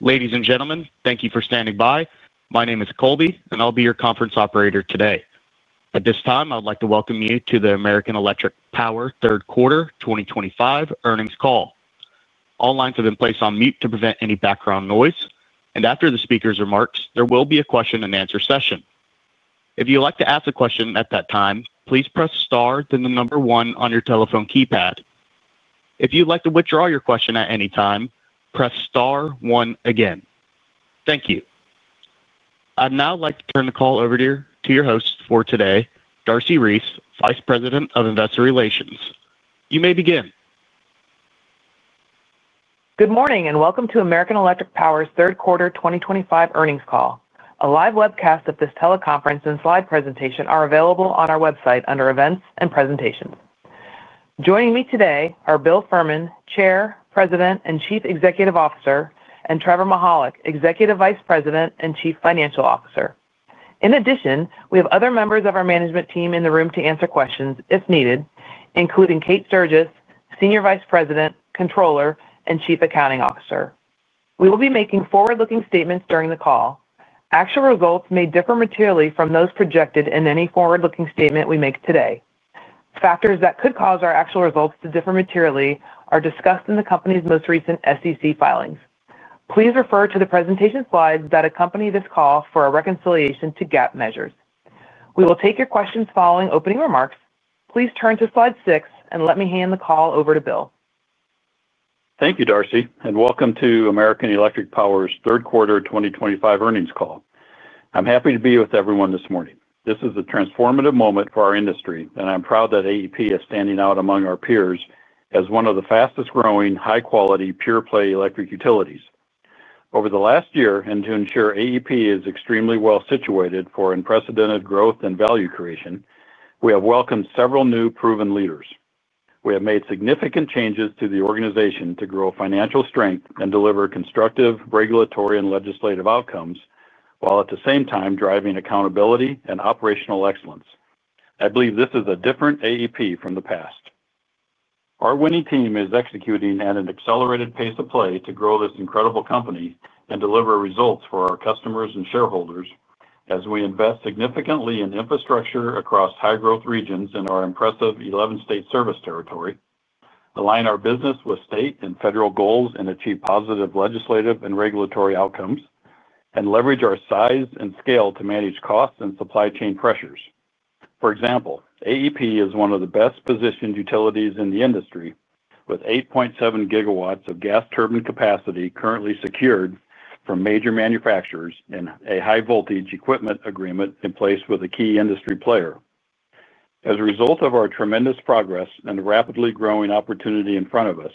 Ladies and gentlemen, thank you for standing by. My name is Colby, and I'll be your conference operator today. At this time, I would like to welcome you to the American Electric Power Third Quarter 2025 earnings call. All lines have been placed on mute to prevent any background noise, and after the speaker's remarks, there will be a question and answer session. If you'd like to ask a question at that time, please press star then the number one on your telephone keypad. If you'd like to withdraw your question at any time, press star one again. Thank you. I'd now like to turn the call over to your host for today, Darcy Reese, Vice President of Investor Relations. You may begin. Good morning and welcome to American Electric Power's Third Quarter 2025 earnings call. A live webcast of this teleconference and slide presentation are available on our website under Events and Presentations. Joining me today are Bill Fehrman, Chair, President and Chief Executive Officer, and Trevor Mihalik, Executive Vice President and Chief Financial Officer. In addition, we have other members of our management team in the room to answer questions if needed, including Kate Sturgess, Senior Vice President, Controller, and Chief Accounting Officer. We will be making forward-looking statements during the call. Actual results may differ materially from those projected in any forward-looking statement we make today. Factors that could cause our actual results to differ materially are discussed in the company's most recent SEC filings. Please refer to the presentation slides that accompany this call for a reconciliation to GAAP measures. We will take your questions following opening remarks. Please turn to slide six and let me hand the call over to Bill. Thank you, Darcy, and welcome to American Electric Power's Third Quarter 2025 earnings call. I'm happy to be with everyone this morning. This is a transformative moment for our industry, and I'm proud that AEP is standing out among our peers as one of the fastest growing, high-quality, pure play electric utilities. Over the last year, and to ensure AEP is extremely well situated for unprecedented growth and value creation, we have welcomed several new proven leaders. We have made significant changes to the organization to grow financial strength and deliver constructive regulatory and legislative outcomes, while at the same time driving accountability and operational excellence. I believe this is a different AEP from the past. Our winning team is executing at an accelerated pace of play to grow this incredible company and deliver results for our customers and shareholders as we invest significantly in infrastructure across high-growth regions in our impressive 11-state service territory, align our business with state and federal goals, achieve positive legislative and regulatory outcomes, and leverage our size and scale to manage costs and supply chain pressures. For example, AEP is one of the best positioned utilities in the industry, with 8.7 GW of gas turbine capacity currently secured from major manufacturers and a high-voltage equipment agreement in place with a key industry player. As a result of our tremendous progress and the rapidly growing opportunity in front of us,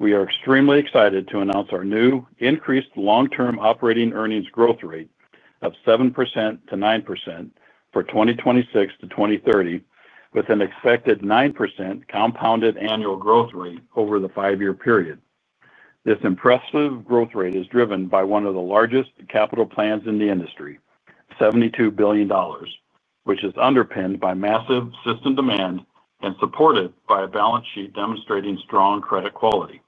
we are extremely excited to announce our new increased long-term operating earnings growth rate of 7%-9% for 2026-2030, with an expected 9% CAGR over the five-year period. This impressive growth rate is driven by one of the largest capital plans in the industry, $72 billion, which is underpinned by massive system demand and supported by a balance sheet demonstrating strong credit quality.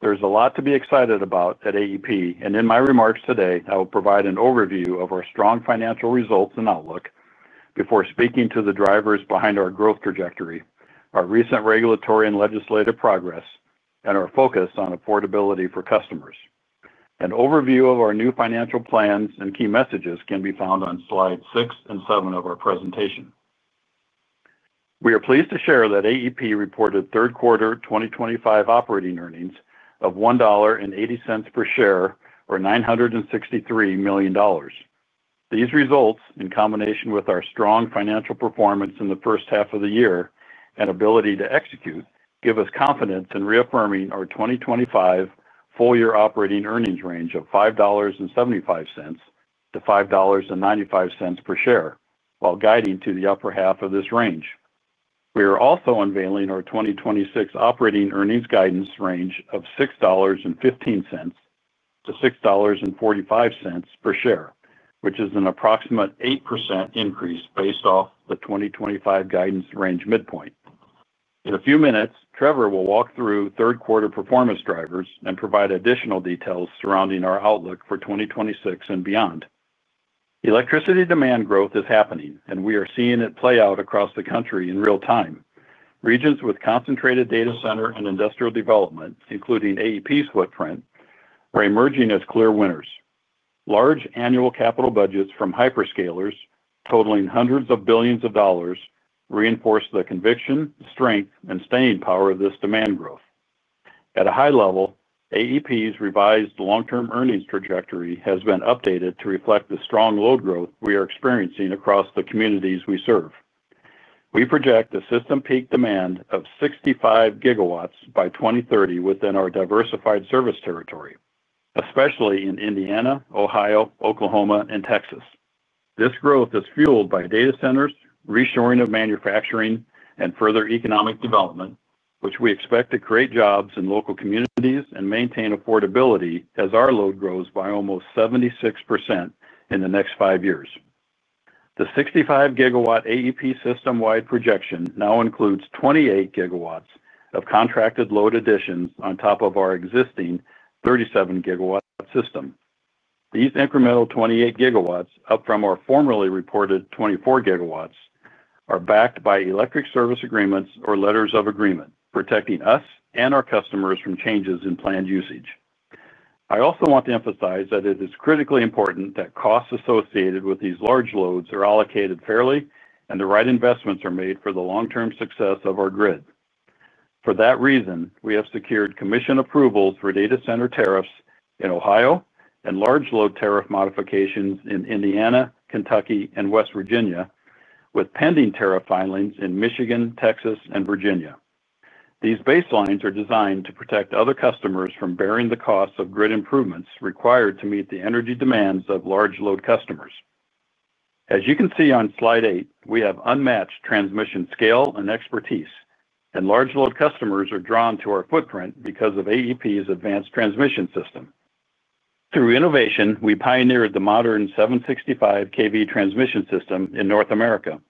There's a lot to be excited about at AEP, and in my remarks today, I will provide an overview of our strong financial results and outlook before speaking to the drivers behind our growth trajectory, our recent regulatory and legislative progress, and our focus on affordability for customers. An overview of our new financial plans and key messages can be found on slide six and seven of our presentation. We are pleased to share that AEP reported third quarter 2025 operating earnings of $1.80 per share or $963 million. These results, in combination with our strong financial performance in the first half of the year and ability to execute, give us confidence in reaffirming our 2025 full-year operating earnings range of $5.75-$5.95 per share, while guiding to the upper half of this range. We are also unveiling our 2026 operating earnings guidance range of $6.15-$6.45 per share, which is an approximate 8% increase based off the 2025 guidance range midpoint. In a few minutes, Trevor will walk through third quarter performance drivers and provide additional details surrounding our outlook for 2026 and beyond. Electricity demand growth is happening, and we are seeing it play out across the country in real time. Regions with concentrated data center and industrial development, including AEP's footprint, are emerging as clear winners. Large annual capital budgets from hyperscalers totaling hundreds of billions of dollars reinforce the conviction, strength, and staying power of this demand growth. At a high level, AEP's revised long-term earnings trajectory has been updated to reflect the strong load growth we are experiencing across the communities we serve. We project a system peak demand of 65 GW by 2030 within our diversified service territory, especially in Indiana, Ohio, Oklahoma, and Texas. This growth is fueled by data centers, reshoring of manufacturing, and further economic development, which we expect to create jobs in local communities and maintain affordability as our load grows by almost 76% in the next five years. The 65 GW AEP system-wide projection now includes 28 GW of contracted load additions on top of our existing 37 GW system. These incremental 28 GW, up from our formerly reported 24 GW, are backed by energy service agreements or letters of agreement, protecting us and our customers from changes in planned usage. I also want to emphasize that it is critically important that costs associated with these large loads are allocated fairly and the right investments are made for the long-term success of our grid. For that reason, we have secured commission approvals for data center tariffs in Ohio and large load tariff modifications in Indiana, Kentucky, and West Virginia, with pending tariff filings in Michigan, Texas, and Virginia. These baselines are designed to protect other customers from bearing the costs of grid improvements required to meet the energy demands of large load customers. As you can see on slide eight, we have unmatched transmission scale and expertise, and large load customers are drawn to our footprint because of AEP's advanced transmission system. Through innovation, we pioneered the modern 765 kV transmission system in North America.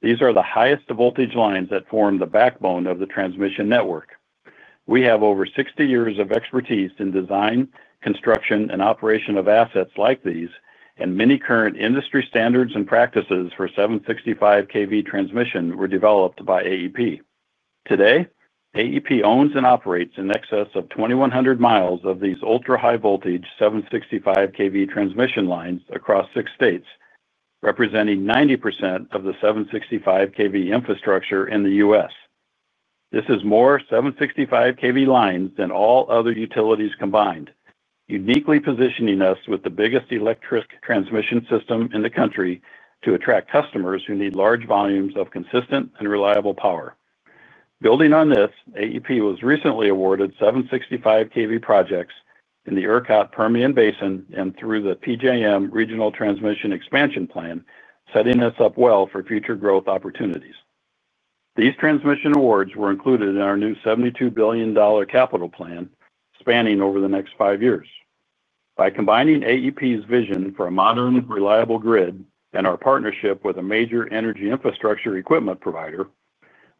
These are the highest voltage lines that form the backbone of the transmission network. We have over 60 years of expertise in design, construction, and operation of assets like these, and many current industry standards and practices for 765 kV transmission were developed by AEP. Today, AEP owns and operates in excess of 2,100 miles of these ultra-high voltage 765 kV transmission lines across six states, representing 90% of the 765 kV infrastructure in the U.S. This is more 765 kV lines than all other utilities combined, uniquely positioning us with the biggest electric transmission system in the country to attract customers who need large volumes of consistent and reliable power. Building on this, AEP was recently awarded 765 kV projects in the Urquhart Permian Basin and through the PJM Regional Transmission Expansion Plan, setting us up well for future growth opportunities. These transmission awards were included in our new $72 billion capital plan spanning over the next five years. By combining AEP's vision for a modern, reliable grid and our partnership with a major energy infrastructure equipment provider,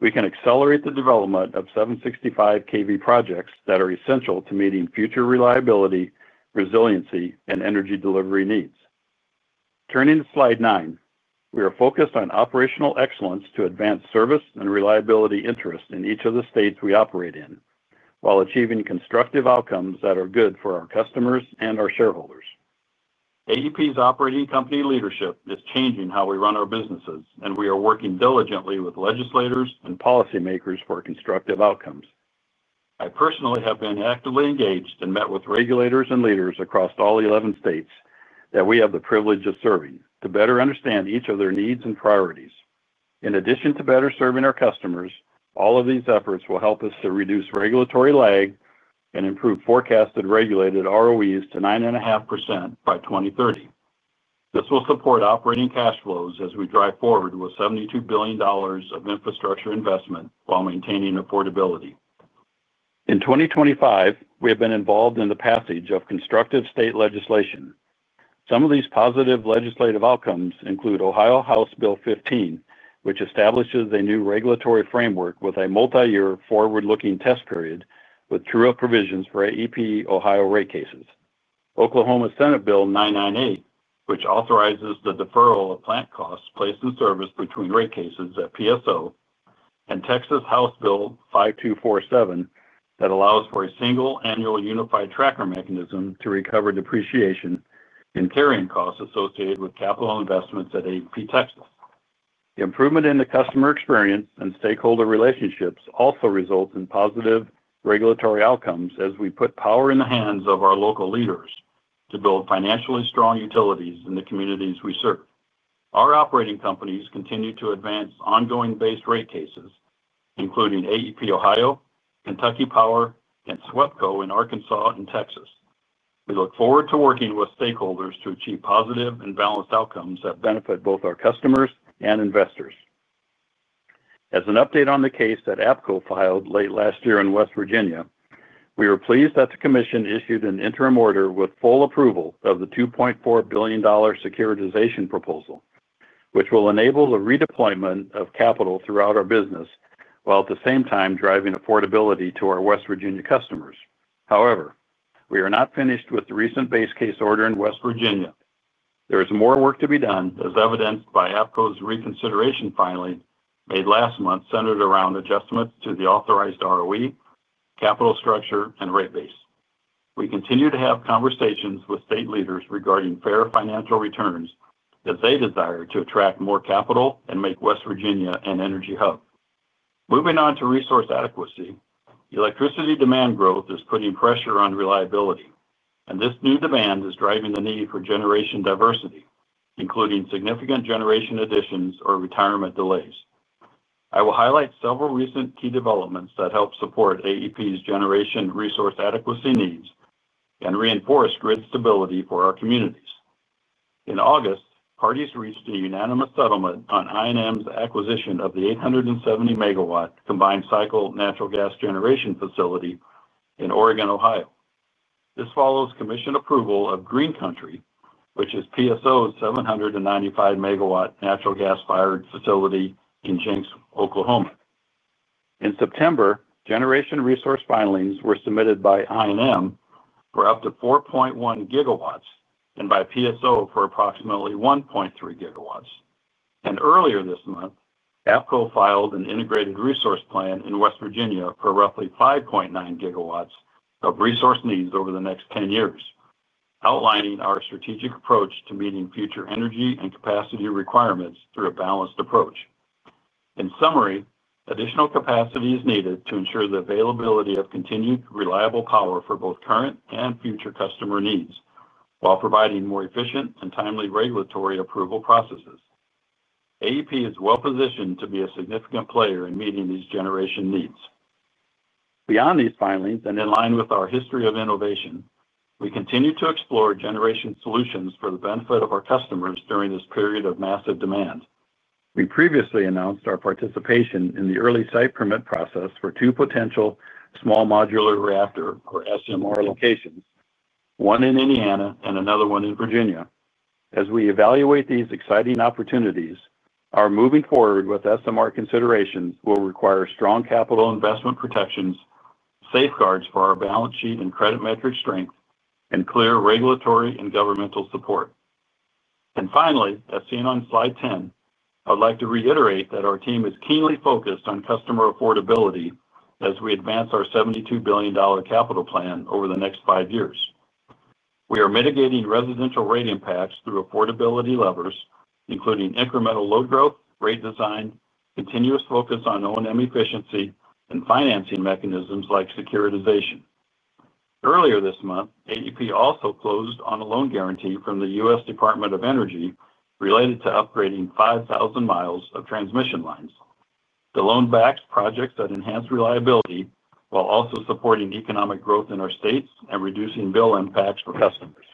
we can accelerate the development of 765 kV projects that are essential to meeting future reliability, resiliency, and energy delivery needs. Turning to slide nine, we are focused on operational excellence to advance service and reliability interest in each of the states we operate in, while achieving constructive outcomes that are good for our customers and our shareholders. AEP's operating company leadership is changing how we run our businesses, and we are working diligently with legislators and policymakers for constructive outcomes. I personally have been actively engaged and met with regulators and leaders across all 11 states that we have the privilege of serving to better understand each of their needs and priorities. In addition to better serving our customers, all of these efforts will help us to reduce regulatory lag and improve forecasted regulated ROEs to 9.5% by 2030. This will support operating cash flows as we drive forward with $72 billion of infrastructure investment while maintaining affordability. In 2025, we have been involved in the passage of constructive state legislation. Some of these positive legislative outcomes include Ohio House Bill 15, which establishes a new regulatory framework with a multi-year forward-looking test period with truer provisions for AEP Ohio rate cases, Oklahoma Senate Bill 998, which authorizes the deferral of plant costs placed in service between rate cases at PSO, and Texas House Bill 5247 that allows for a single annual unified tracker mechanism to recover depreciation and carrying costs associated with capital investments at AEP Texas. The improvement in the customer experience and stakeholder relationships also results in positive regulatory outcomes as we put power in the hands of our local leaders to build financially strong utilities in the communities we serve. Our operating companies continue to advance ongoing base rate cases, including AEP Ohio, Kentucky Power, and SWEPCO in Arkansas and Texas. We look forward to working with stakeholders to achieve positive and balanced outcomes that benefit both our customers and investors. As an update on the case that APCO filed late last year in West Virginia, we are pleased that the commission issued an interim order with full approval of the $2.4 billion securitization proposal, which will enable the redeployment of capital throughout our business, while at the same time driving affordability to our West Virginia customers. However, we are not finished with the recent base case order in West Virginia. There is more work to be done, as evidenced by APCO's reconsideration filing made last month centered around adjustments to the authorized ROE, capital structure, and rate base. We continue to have conversations with state leaders regarding fair financial returns as they desire to attract more capital and make West Virginia an energy hub. Moving on to resource adequacy, electricity demand growth is putting pressure on reliability, and this new demand is driving the need for generation diversity, including significant generation additions or retirement delays. I will highlight several recent key developments that help support AEP's generation resource adequacy needs and reinforce grid stability for our communities. In August, parties reached a unanimous settlement on INM's acquisition of the 870-megawatt combined cycle natural gas generation facility in Oregon, Ohio. This follows commission approval of Green Country, which is PSO's 795-megawatt natural gas-fired facility in Jenks, Oklahoma. In September, generation resource filings were submitted by INM for up to 4.1 GW and by PSO for approximately 1.3 GW. Earlier this month, APCO filed an integrated resource plan in West Virginia for roughly 5.9 GW of resource needs over the next 10 years, outlining our strategic approach to meeting future energy and capacity requirements through a balanced approach. In summary, additional capacity is needed to ensure the availability of continued reliable power for both current and future customer needs, while providing more efficient and timely regulatory approval processes. AEP is well positioned to be a significant player in meeting these generation needs. Beyond these filings and in line with our history of innovation, we continue to explore generation solutions for the benefit of our customers during this period of massive demand. We previously announced our participation in the early site permit process for two potential small modular reactor or SMR locations, one in Indiana and another one in Virginia. As we evaluate these exciting opportunities, our moving forward with SMR considerations will require strong capital investment protections, safeguards for our balance sheet and credit metric strength, and clear regulatory and governmental support. Finally, as seen on slide 10, I would like to reiterate that our team is keenly focused on customer affordability as we advance our $72 billion capital plan over the next five years. We are mitigating residential rate impacts through affordability levers, including incremental load growth, rate design, continuous focus on O&M efficiency, and financing mechanisms like securitization. Earlier this month, AEP also closed on a loan guarantee from the U.S. Department of Energy related to upgrading 5,000 miles of transmission lines. The loan backs projects that enhance reliability while also supporting economic growth in our states and reducing bill impacts for customers.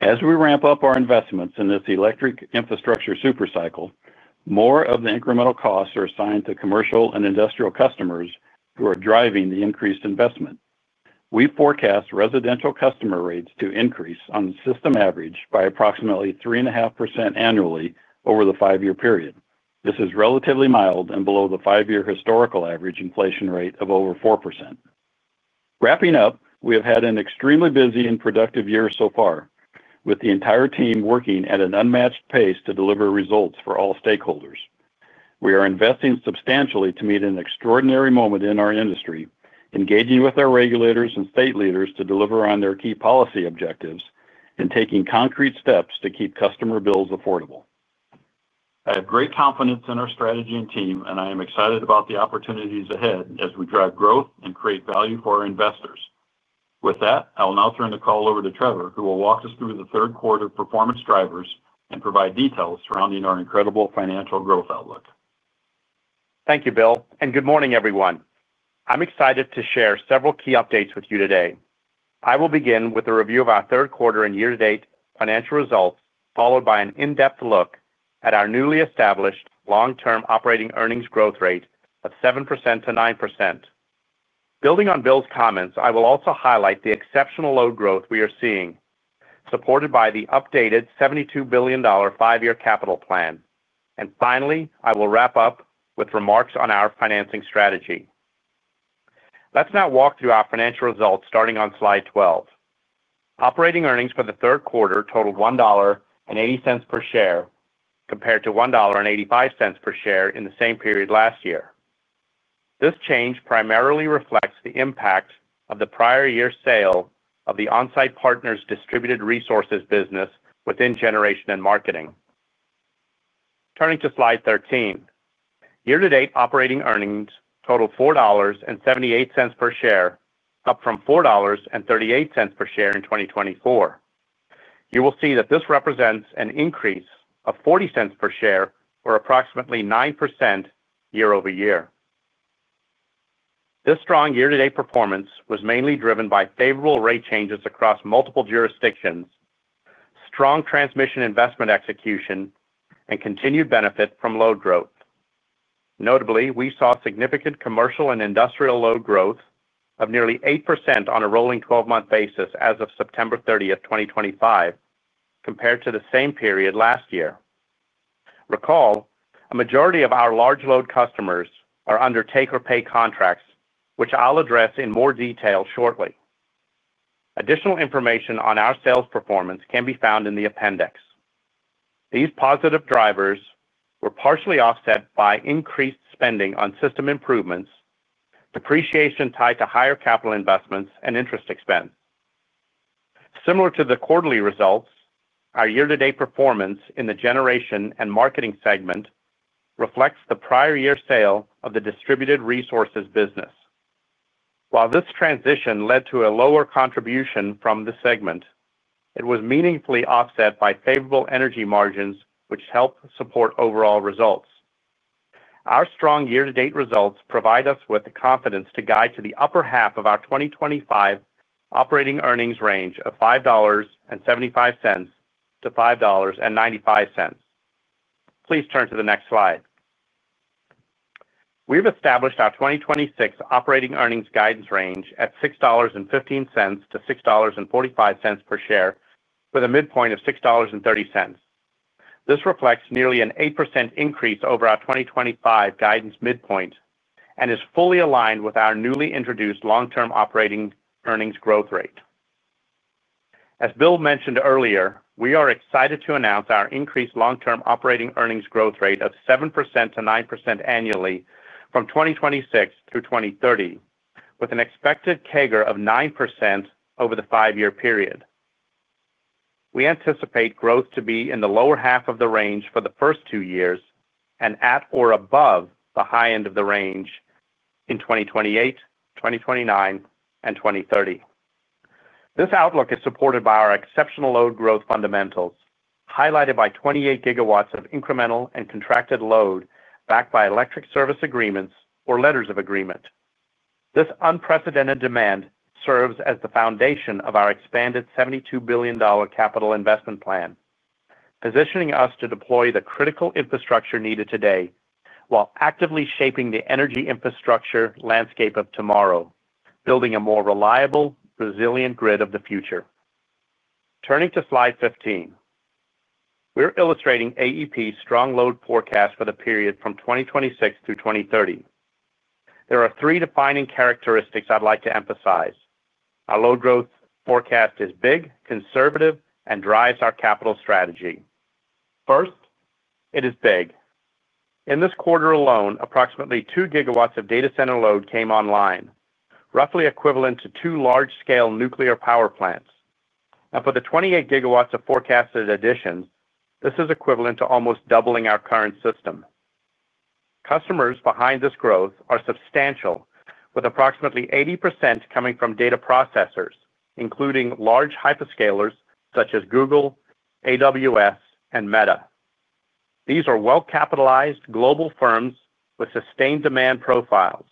As we ramp up our investments in this electric infrastructure supercycle, more of the incremental costs are assigned to commercial and industrial customers who are driving the increased investment. We forecast residential customer rates to increase on the system average by approximately 3.5% annually over the five-year period. This is relatively mild and below the five-year historical average inflation rate of over 4%. Wrapping up, we have had an extremely busy and productive year so far, with the entire team working at an unmatched pace to deliver results for all stakeholders. We are investing substantially to meet an extraordinary moment in our industry, engaging with our regulators and state leaders to deliver on their key policy objectives, and taking concrete steps to keep customer bills affordable. I have great confidence in our strategy and team, and I am excited about the opportunities ahead as we drive growth and create value for our investors. With that, I will now turn the call over to Trevor, who will walk us through the third quarter performance drivers and provide details surrounding our incredible financial growth outlook. Thank you, Bill, and good morning, everyone. I'm excited to share several key updates with you today. I will begin with a review of our third quarter and year-to-date financial results, followed by an in-depth look at our newly established long-term operating earnings growth rate of 7% -9%. Building on Bill's comments, I will also highlight the exceptional load growth we are seeing, supported by the updated $72 billion five-year capital plan. Finally, I will wrap up with remarks on our financing strategy. Let's now walk through our financial results, starting on slide 12. Operating earnings for the third quarter totaled $1.80 per share, compared to $1.85 per share in the same period last year. This change primarily reflects the impact of the prior year's sale of the onsite partners' distributed resources business within generation and marketing. Turning to slide 13, year-to-date operating earnings totaled $4.78 per share, up from $4.38 per share in 2024. You will see that this represents an increase of $0.40 per share or approximately 9% year-over-year. This strong year-to-date performance was mainly driven by favorable rate changes across multiple jurisdictions, strong transmission investment execution, and continued benefit from load growth. Notably, we saw significant commercial and industrial load growth of nearly 8% on a rolling 12-month basis as of September 30th, 2025, compared to the same period last year. Recall, a majority of our large load customers are under taker pay contracts, which I'll address in more detail shortly. Additional information on our sales performance can be found in the appendix. These positive drivers were partially offset by increased spending on system improvements, depreciation tied to higher capital investments, and interest expense. Similar to the quarterly results, our year-to-date performance in the generation and marketing segment reflects the prior year sale of the distributed resources business. While this transition led to a lower contribution from the segment, it was meaningfully offset by favorable energy margins, which helped support overall results. Our strong year-to-date results provide us with the confidence to guide to the upper half of our 2025 operating earnings range of $5.75-$5.95. Please turn to the next slide. We have established our 2026 operating earnings guidance range at $6.15-$6.45 per share, with a midpoint of $6.30. This reflects nearly an 8% increase over our 2025 guidance midpoint and is fully aligned with our newly introduced long-term operating earnings growth rate. As Bill mentioned earlier, we are excited to announce our increased long-term operating earnings growth rate of 7%-9% annually from 2026 to 2030, with an expected CAGR of 9% over the five-year period. We anticipate growth to be in the lower half of the range for the first two years and at or above the high end of the range in 2028, 2029, and 2030. This outlook is supported by our exceptional load growth fundamentals, highlighted by 28 GW of incremental and contracted load backed by energy service agreements or letters of agreement. This unprecedented demand serves as the foundation of our expanded $72 billion capital investment plan, positioning us to deploy the critical infrastructure needed today while actively shaping the energy infrastructure landscape of tomorrow, building a more reliable, resilient grid of the future. Turning to slide 15, we're illustrating American Electric Power's strong load forecast for the period from 2026 to 2030. There are three defining characteristics I'd like to emphasize. Our load growth forecast is big, conservative, and drives our capital strategy. First, it is big. In this quarter alone, approximately 2 GW of data center load came online, roughly equivalent to two large-scale nuclear power plants. For the 28 GW of forecasted additions, this is equivalent to almost doubling our current system. Customers behind this growth are substantial, with approximately 80% coming from data processors, including large hyperscalers such as Google, AWS, and Meta. These are well-capitalized global firms with sustained demand profiles.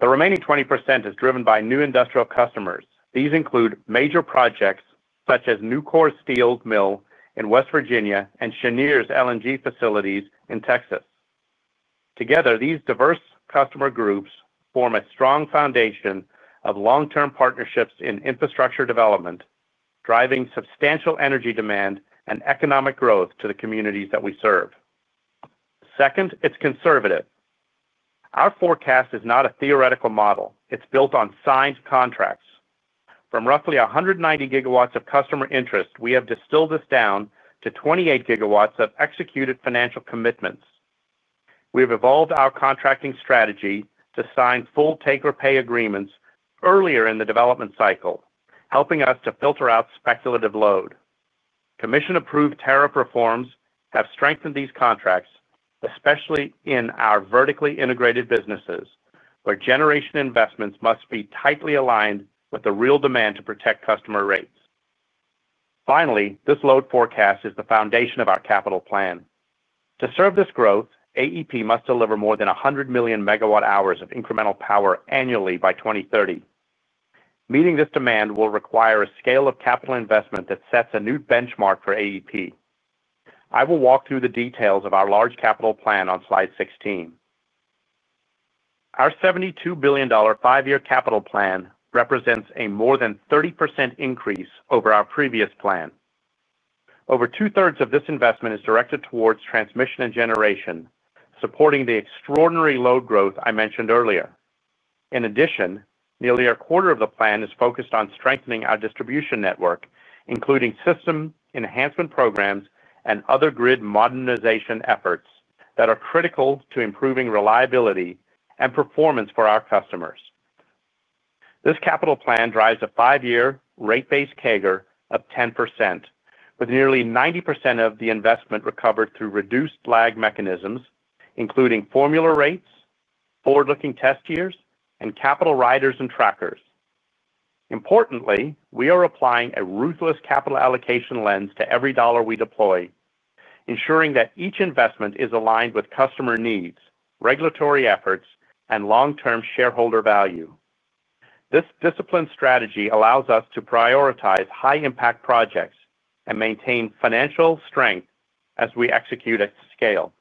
The remaining 20% is driven by new industrial customers. These include major projects such as Nucor Steel Mill in West Virginia and Cheniere's LNG facilities in Texas. Together, these diverse customer groups form a strong foundation of long-term partnerships in infrastructure development, driving substantial energy demand and economic growth to the communities that we serve. Second, it's conservative. Our forecast is not a theoretical model. It's built on signed contracts. From roughly 190 GW of customer interest, we have distilled this down to 28 GW of executed financial commitments. We have evolved our contracting strategy to sign full taker pay agreements earlier in the development cycle, helping us to filter out speculative load. Commission-approved tariff reforms have strengthened these contracts, especially in our vertically integrated businesses, where generation investments must be tightly aligned with the real demand to protect customer rates. Finally, this load forecast is the foundation of our capital plan. To serve this growth, AEP must deliver more than 100 million megawatt-hours of incremental power annually by 2030. Meeting this demand will require a scale of capital investment that sets a new benchmark for AEP. I will walk through the details of our large capital plan on slide 16. Our $72 billion five-year capital plan represents a more than 30% increase over our previous plan. Over two-thirds of this investment is directed towards transmission and generation, supporting the extraordinary load growth I mentioned earlier. In addition, nearly a quarter of the plan is focused on strengthening our distribution network, including system enhancement programs and other grid modernization efforts that are critical to improving reliability and performance for our customers. This capital plan drives a five-year rate-based CAGR of 10%, with nearly 90% of the investment recovered through reduced lag mechanisms, including formula rates, forward-looking test years, and capital riders and trackers. Importantly, we are applying a ruthless capital allocation lens to every dollar we deploy, ensuring that each investment is aligned with customer needs, regulatory efforts, and long-term shareholder value. This disciplined strategy allows us to prioritize high-impact projects and maintain financial strength as we execute at scale.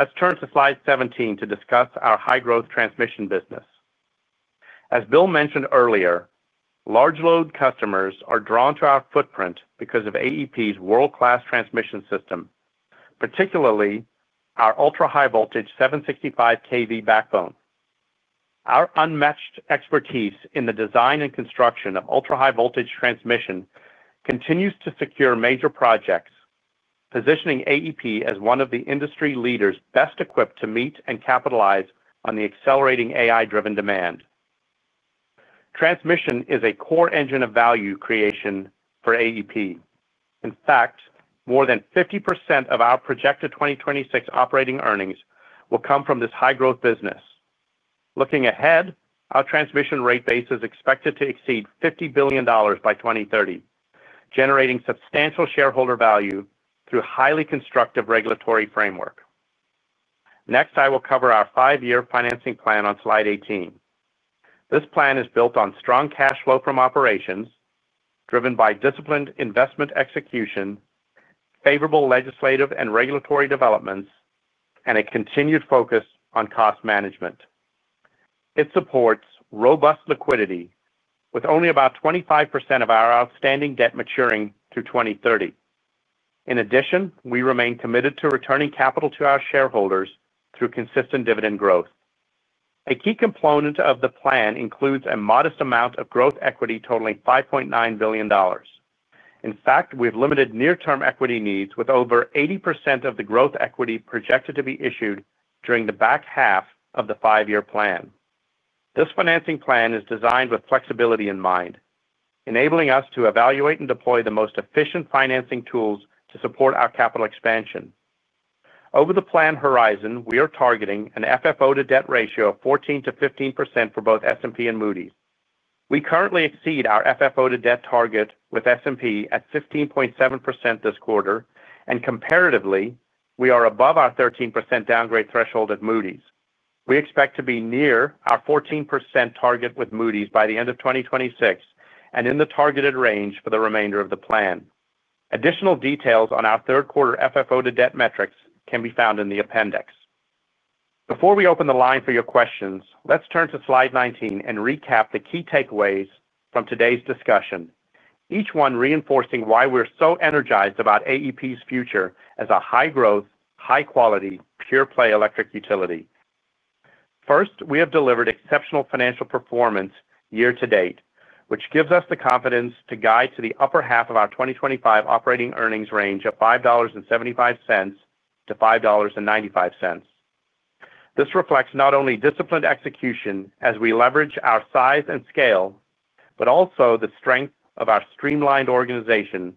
Let's turn to slide 17 to discuss our high-growth transmission business. As Bill Fehrman mentioned earlier, large load customers are drawn to our footprint because of AEP's world-class transmission system, particularly our ultra-high voltage 765 kV backbone. Our unmatched expertise in the design and construction of ultra-high voltage transmission continues to secure major projects, positioning AEP as one of the industry leaders best equipped to meet and capitalize on the accelerating AI-driven demand. Transmission is a core engine of value creation for AEP. In fact, more than 50% of our projected 2026 operating earnings will come from this high-growth business. Looking ahead, our transmission rate base is expected to exceed $50 billion by 2030, generating substantial shareholder value through a highly constructive regulatory framework. Next, I will cover our five-year financing plan on slide 18. This plan is built on strong cash flow from operations, driven by disciplined investment execution, favorable legislative and regulatory developments, and a continued focus on cost management. It supports robust liquidity, with only about 25% of our outstanding debt maturing to 2030. In addition, we remain committed to returning capital to our shareholders through consistent dividend growth. A key component of the plan includes a modest amount of growth equity totaling $5.9 billion. In fact, we have limited near-term equity needs, with over 80% of the growth equity projected to be issued during the back half of the five-year plan. This financing plan is designed with flexibility in mind, enabling us to evaluate and deploy the most efficient financing tools to support our capital expansion. Over the planned horizon, we are targeting an FFO-to-debt ratio of 14%-15% for both S&P and Moody's. We currently exceed our FFO-to-debt target with S&P at 15.7% this quarter, and comparatively, we are above our 13% downgrade threshold at Moody's. We expect to be near our 14% target with Moody's by the end of 2026 and in the targeted range for the remainder of the plan. Additional details on our third quarter FFO-to-debt metrics can be found in the appendix. Before we open the line for your questions, let's turn to slide 19 and recap the key takeaways from today's discussion, each one reinforcing why we're so energized about AEP's future as a high-growth, high-quality, pure play electric utility. First, we have delivered exceptional financial performance year to date, which gives us the confidence to guide to the upper half of our 2025 operating earnings range of $5.75-$5.95. This reflects not only disciplined execution as we leverage our size and scale, but also the strength of our streamlined organization,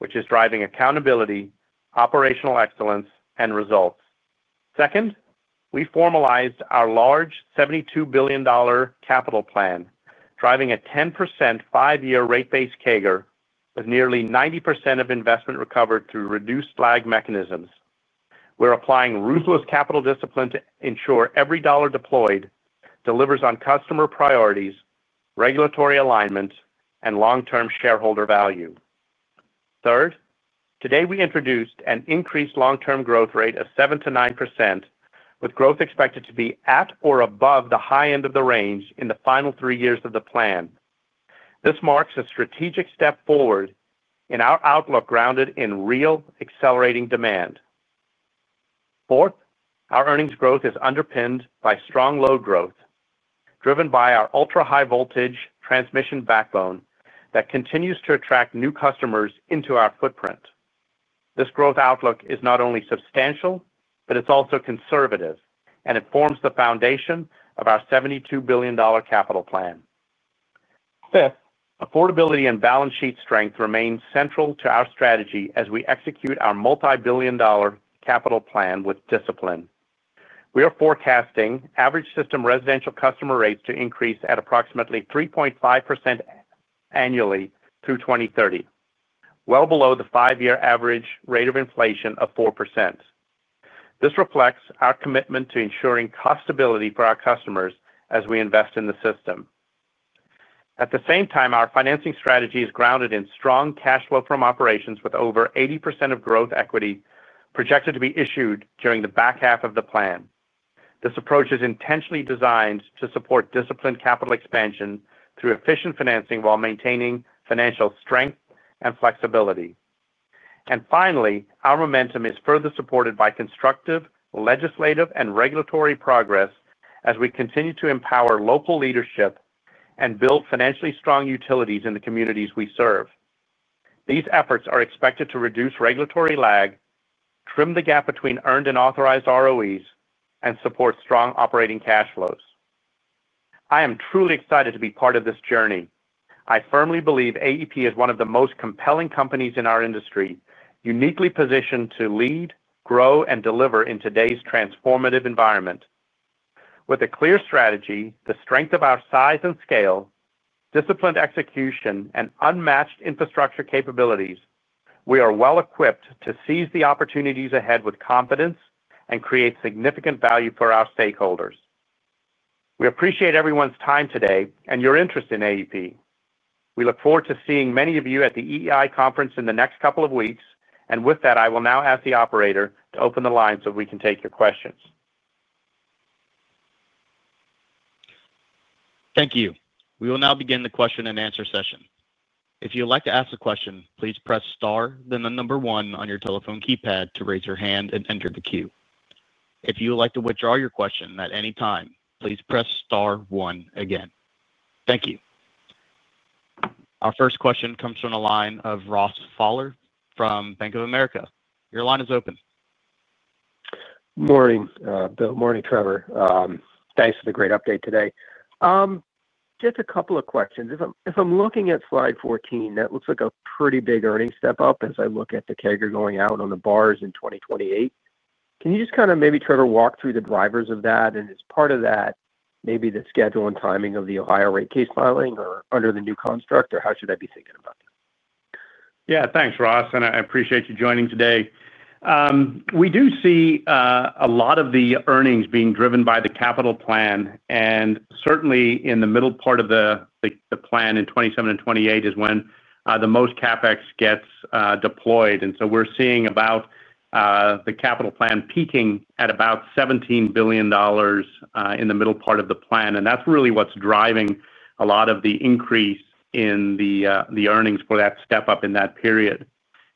which is driving accountability, operational excellence, and results. Second, we formalized our large $72 billion capital plan, driving a 10% five-year rate-based CAGR with nearly 90% of investment recovered through reduced lag mechanisms. We're applying ruthless capital discipline to ensure every dollar deployed delivers on customer priorities, regulatory alignment, and long-term shareholder value. Third, today we introduced an increased long-term growth rate of 7%-9%, with growth expected to be at or above the high end of the range in the final three years of the plan. This marks a strategic step forward in our outlook grounded in real accelerating demand. Fourth, our earnings growth is underpinned by strong load growth, driven by our ultra-high voltage transmission backbone that continues to attract new customers into our footprint. This growth outlook is not only substantial, but it's also conservative, and it forms the foundation of our $72 billion capital plan. Fifth, affordability and balance sheet strength remain central to our strategy as we execute our multi-billion dollar capital plan with discipline. We are forecasting average system residential customer rates to increase at approximately 3.5% annually through 2030, well below the five-year average rate of inflation of 4%. This reflects our commitment to ensuring cost stability for our customers as we invest in the system. At the same time, our financing strategy is grounded in strong cash flow from operations, with over 80% of growth equity projected to be issued during the back half of the plan. This approach is intentionally designed to support disciplined capital expansion through efficient financing while maintaining financial strength and flexibility. Our momentum is further supported by constructive legislative and regulatory progress as we continue to empower local leadership and build financially strong utilities in the communities we serve. These efforts are expected to reduce regulatory lag, trim the gap between earned and authorized ROEs, and support strong operating cash flows. I am truly excited to be part of this journey. I firmly believe AEP is one of the most compelling companies in our industry, uniquely positioned to lead, grow, and deliver in today's transformative environment. With a clear strategy, the strength of our size and scale, disciplined execution, and unmatched infrastructure capabilities, we are well equipped to seize the opportunities ahead with confidence and create significant value for our stakeholders. We appreciate everyone's time today and your interest in AEP. We look forward to seeing many of you at the EEI conference in the next couple of weeks. I will now ask the operator to open the lines so we can take your questions. Thank you. We will now begin the question and answer session. If you would like to ask a question, please press star then the number one on your telephone keypad to raise your hand and enter the queue. If you would like to withdraw your question at any time, please press star one again. Thank you. Our first question comes from the line of Ross Fowler from Bank of America. Your line is open. Morning, Bill. Morning, Trevor. Thanks for the great update today. Just a couple of questions. If I'm looking at slide 14, that looks like a pretty big earnings step up as I look at the CAGR going out on the bars in 2028. Can you just kind of maybe, Trevor, walk through the drivers of that? As part of that, maybe the schedule and timing of the Ohio rate case filing or under the new construct, how should I be thinking about that? Yeah, thanks, Ross, and I appreciate you joining today. We do see a lot of the earnings being driven by the capital plan, and certainly in the middle part of the plan in 2027 and 2028 is when the most CapEx gets deployed. We're seeing the capital plan peaking at about $17 billion in the middle part of the plan, and that's really what's driving a lot of the increase in the earnings for that step up in that period.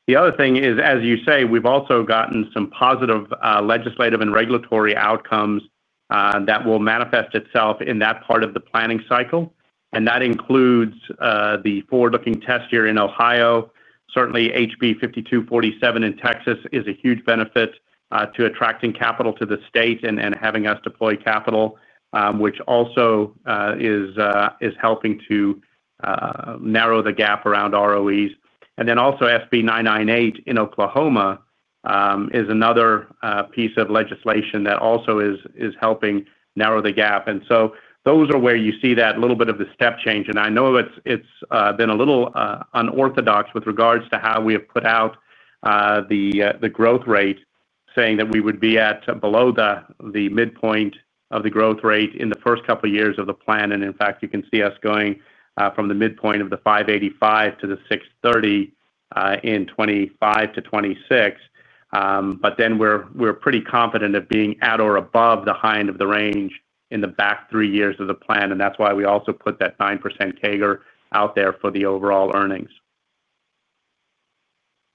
The other thing is, as you say, we've also gotten some positive legislative and regulatory outcomes that will manifest itself in that part of the planning cycle, and that includes the forward-looking test year in Ohio. Certainly, HB 5247 in Texas is a huge benefit to attracting capital to the state and having us deploy capital, which also is helping to narrow the gap around ROEs. Also, SB 998 in Oklahoma is another piece of legislation that also is helping narrow the gap. Those are where you see that little bit of the step change, and I know it's been a little unorthodox with regards to how we have put out the growth rate, saying that we would be at below the midpoint of the growth rate in the first couple of years of the plan. In fact, you can see us going from the midpoint of the 585 to the 630 in 2025-2026. We're pretty confident of being at or above the high end of the range in the back three years of the plan, and that's why we also put that 9% CAGR out there for the overall earnings.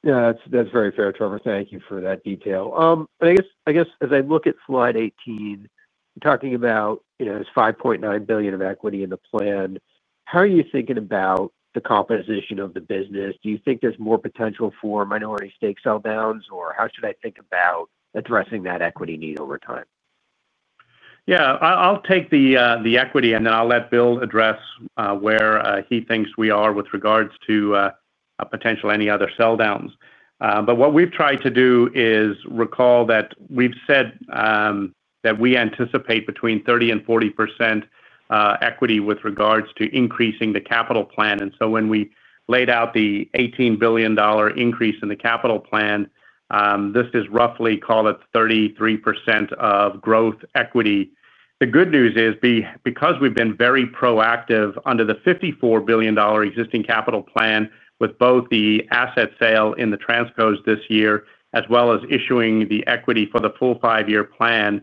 Yeah, that's very fair, Trevor. Thank you for that detail. I guess, as I look at slide 18, you're talking about this $5.9 billion of equity in the plan. How are you thinking about the composition of the business? Do you think there's more potential for minority stake sell downs, or how should I think about addressing that equity need over time? Yeah, I'll take the equity, and then I'll let Bill address where he thinks we are with regards to potential any other sell downs. What we've tried to do is recall that we've said that we anticipate between 30% and 40% equity with regards to increasing the capital plan. When we laid out the $18 billion increase in the capital plan, this is roughly, call it, 33% of growth equity. The good news is because we've been very proactive under the $54 billion existing capital plan with both the asset sale in the Transcos this year, as well as issuing the equity for the full five-year plan,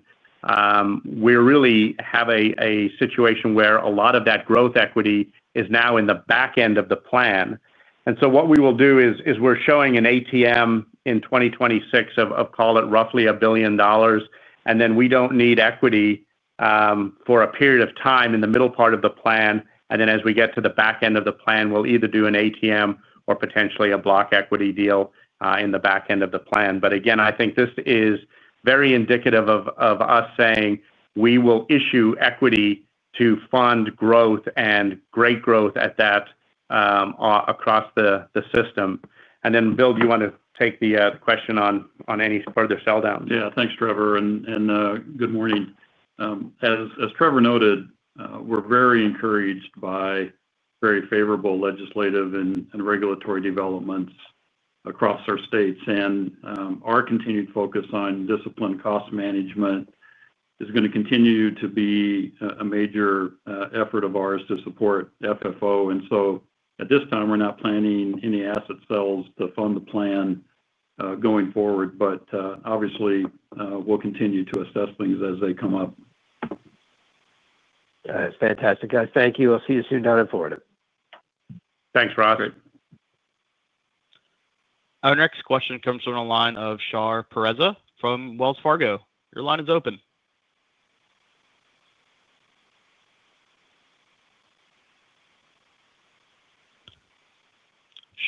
we really have a situation where a lot of that growth equity is now in the back end of the plan. What we will do is we're showing an ATM in 2026 of, call it, roughly $1 billion, and then we don't need equity for a period of time in the middle part of the plan. As we get to the back end of the plan, we'll either do an ATM or potentially a block equity deal in the back end of the plan. I think this is very indicative of us saying we will issue equity to fund growth and great growth at that across the system. Bill, do you want to take the question on any further sell downs? Yeah, thanks, Trevor, and good morning. As Trevor noted, we're very encouraged by very favorable legislative and regulatory developments across our states, and our continued focus on disciplined cost management is going to continue to be a major effort of ours to support FFO. At this time, we're not planning any asset sales to fund the plan going forward, but obviously, we'll continue to assess things as they come up. That's fantastic. Guys, thank you. We'll see you soon down in Florida. Thanks, Ross. Great. Our next question comes from a line of Shar Pourreza from Wells Fargo. Your line is open.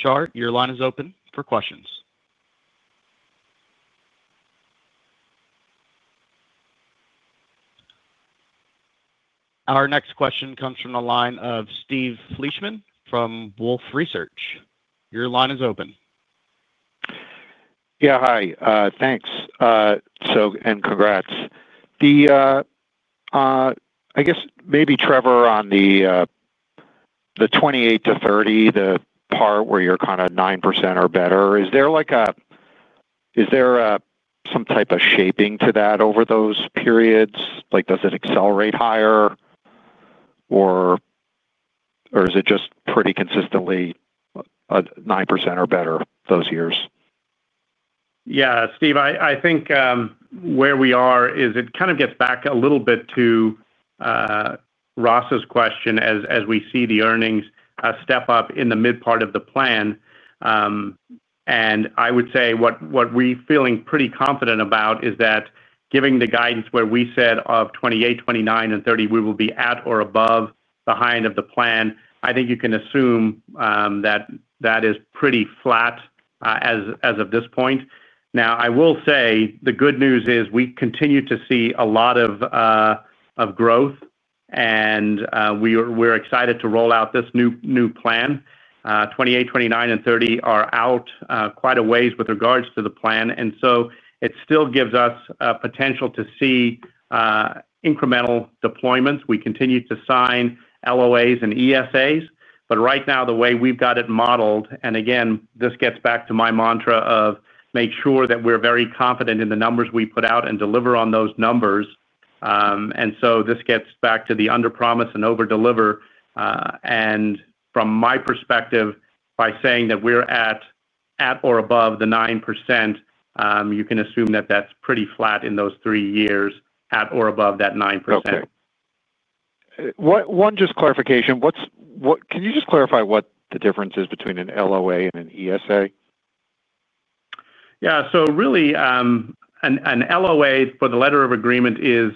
Shar, your line is open for questions. Our next question comes from a line of Steve Fleishman from Wolfe Research. Your line is open. Yeah, hi. Thanks. Congrats. I guess maybe Trevor, on the 2028-2030, the part where you're kind of 9% or better, is there some type of shaping to that over those periods? Does it accelerate higher, or is it just pretty consistently 9% or better those years? Yeah, Steve, I think where we are is it kind of gets back a little bit to Ross's question as we see the earnings step up in the mid part of the plan. I would say what we're feeling pretty confident about is that giving the guidance where we said of 2028, 2029, and 2030, we will be at or above the high end of the plan. I think you can assume that that is pretty flat as of this point. The good news is we continue to see a lot of growth, and we're excited to roll out this new plan. 2028, 2029, and 2030 are out quite a ways with regards to the plan, and it still gives us potential to see incremental deployments. We continue to sign LOAs and ESAs, but right now the way we've got it modeled, and again, this gets back to my mantra of make sure that we're very confident in the numbers we put out and deliver on those numbers. This gets back to the under promise and over deliver. From my perspective, by saying that we're at or above the 9%, you can assume that that's pretty flat in those three years at or above that 9%. Just clarification, can you clarify what the difference is between an LOA and an ESA? Yeah, so really, an LOA, or letter of agreement, is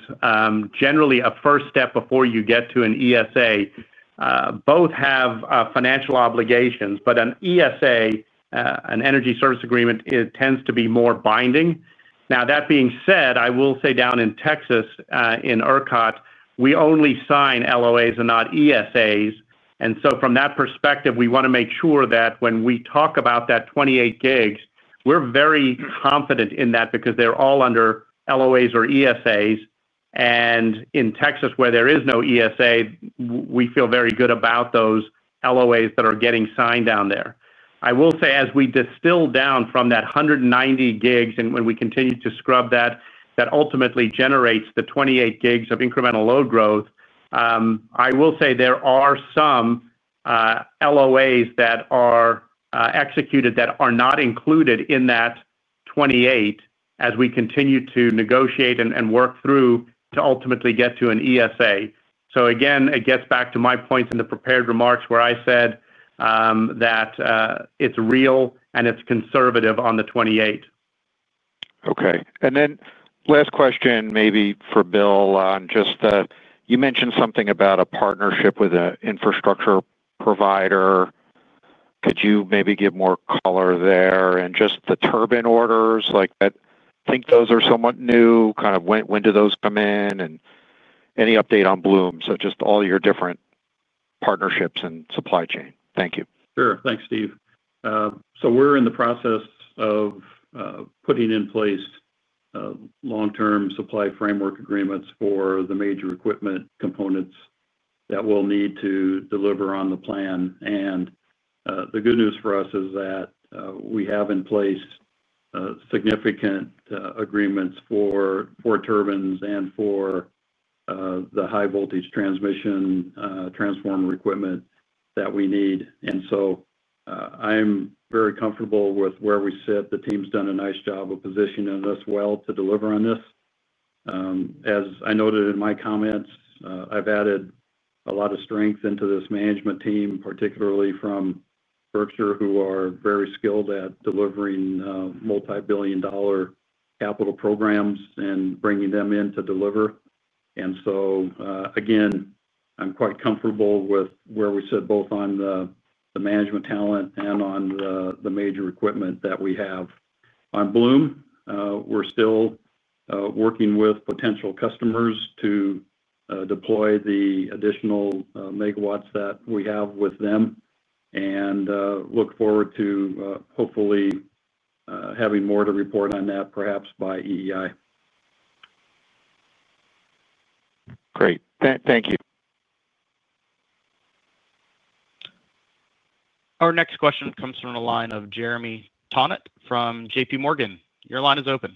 generally a first step before you get to an ESA. Both have financial obligations, but an ESA, an energy service agreement, tends to be more binding. That being said, I will say down in Texas, in ERCOT, we only sign LOAs and not ESAs. From that perspective, we want to make sure that when we talk about that 28 gigs, we're very confident in that because they're all under LOAs or ESAs. In Texas, where there is no ESA, we feel very good about those LOAs that are getting signed down there. As we distill down from that 190 gigs and when we continue to scrub that, that ultimately generates the 28 gigs of incremental load growth. There are some LOAs that are executed that are not included in that 28 as we continue to negotiate and work through to ultimately get to an ESA. Again, it gets back to my points in the prepared remarks where I said that it's real and it's conservative on the 28. Okay. Last question, maybe for Bill on just the, you mentioned something about a partnership with an infrastructure provider. Could you maybe give more color there and just the turbine orders? I think those are somewhat new. Kind of when do those come in and any update on Bloom? Just all your different partnerships and supply chain. Thank you. Thank you, Steve. We're in the process of putting in place long-term supply framework agreements for the major equipment components that we'll need to deliver on the plan. The good news for us is that we have in place significant agreements for turbines and for the high voltage transmission transformer equipment that we need. I'm very comfortable with where we sit. The team's done a nice job of positioning us well to deliver on this. As I noted in my comments, I've added a lot of strength into this management team, particularly from Berkshire, who are very skilled at delivering multi-billion dollar capital programs and bringing them in to deliver. I'm quite comfortable with where we sit both on the management talent and on the major equipment that we have. On Bloom, we're still working with potential customers to deploy the additional megawatts that we have with them and look forward to hopefully having more to report on that, perhaps by EEI. Great. Thank you. Our next question comes from a line of Jeremy Tonet from JPMorgan. Your line is open.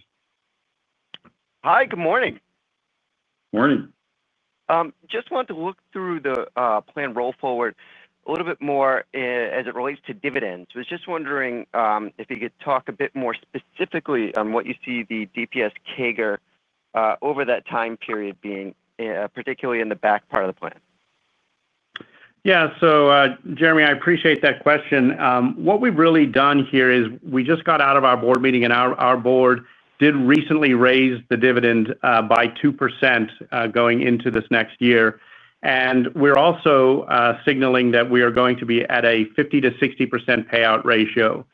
Hi, good morning. Morning. Just wanted to look through the plan roll forward a little bit more as it relates to dividends. I was just wondering if you could talk a bit more specifically on what you see the DPS CAGR over that time period being, particularly in the back part of the plan. Yeah, Jeremy, I appreciate that question. What we've really done here is we just got out of our board meeting, and our board did recently raise the dividend by 2% going into this next year. We're also signaling that we are going to be at a 50-60% payout ratio.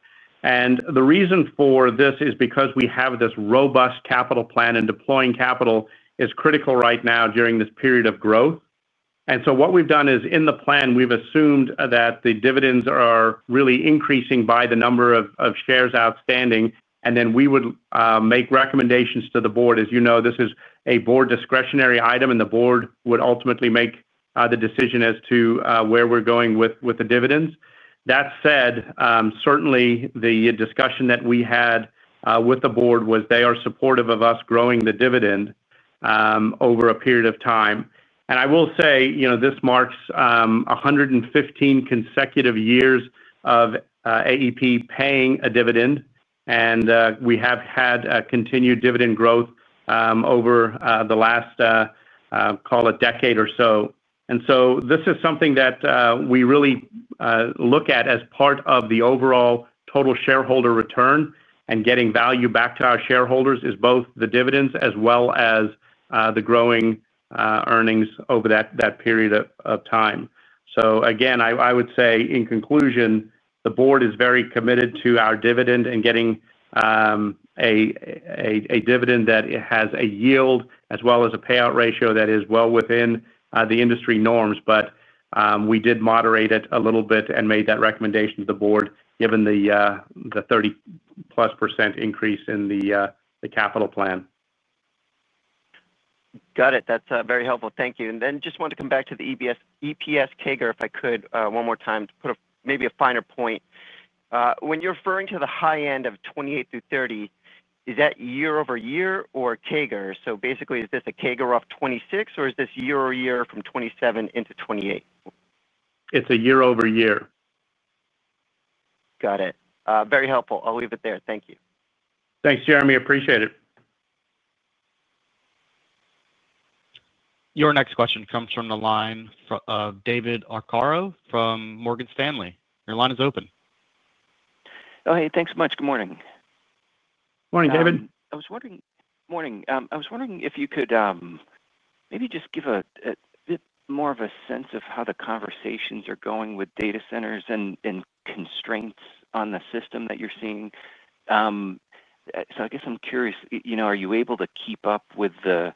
The reason for this is because we have this robust capital plan, and deploying capital is critical right now during this period of growth. What we've done is in the plan, we've assumed that the dividends are really increasing by the number of shares outstanding. We would make recommendations to the board. As you know, this is a board discretionary item, and the board would ultimately make the decision as to where we're going with the dividends. That said, certainly the discussion that we had with the board was they are supportive of us growing the dividend over a period of time. I will say this marks 115 consecutive years of American Electric Power paying a dividend, and we have had continued dividend growth over the last, call it, decade or so. This is something that we really look at as part of the overall total shareholder return, and getting value back to our shareholders is both the dividends as well as the growing earnings over that period of time. I would say in conclusion, the board is very committed to our dividend and getting a dividend that has a yield as well as a payout ratio that is well within the industry norms. We did moderate it a little bit and made that recommendation to the board, given the 30+% increase in the capital plan. Got it. That's very helpful. Thank you. I just wanted to come back to the EPS CAGR if I could one more time to put maybe a finer point. When you're referring to the high end of 2028 through 2030, is that year over year or CAGR? Basically, is this a CAGR off 2026, or is this year over year from 2027 into 2028? It's a year-over-year. Got it. Very helpful. I'll leave it there. Thank you. Thanks, Jeremy. Appreciate it. Your next question comes from the line of David Arcaro from Morgan Stanley. Your line is open. Oh, hey, thanks so much. Good morning. Morning, David. Morning. I was wondering if you could maybe just give a bit more of a sense of how the conversations are going with data centers and constraints on the system that you're seeing. I guess I'm curious, you know, are you able to keep up with the